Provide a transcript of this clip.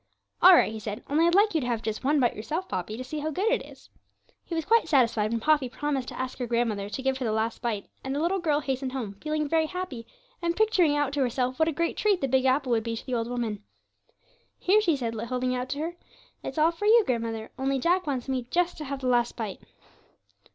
'All right,' he said; 'only I'd like you to have just one bite yourself, Poppy, to see how good it is.' He was quite satisfied when Poppy promised to ask her grandmother to give her the last bite; and the little girl hastened home, feeling very happy, and picturing out to herself what a great treat that big apple would be to the old woman. 'Here,' she said, holding it out to her, 'it's all for you, grandmother only Jack wants me just to have the last bite.'